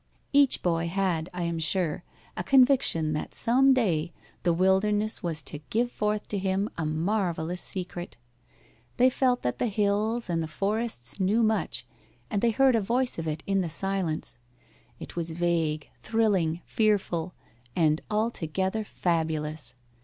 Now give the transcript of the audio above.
Each boy had, I am sure, a conviction that some day the wilderness was to give forth to him a marvellous secret. They felt that the hills and the forest knew much, and they heard a voice of it in the silence. It was vague, thrilling, fearful, and altogether fabulous.